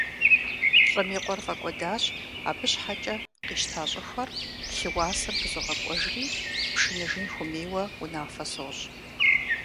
Лӏым и къуэр фӀэкӀуэдащ, абы щхьэкӀэ къищта щӀыхуэр лъыуасэм пызогъакӀуэжри, пшыныжын хуемейуэ унафэ сощӏ!